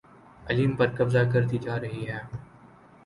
علیم پر قبضہ کرتی جا رہی ہے